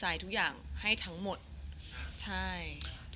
จะรักเธอเพียงคนเดียว